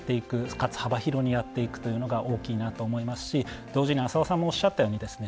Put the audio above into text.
かつ幅広にやっていくというのが大きいなと思いますし同時に浅尾さんもおっしゃったようにですね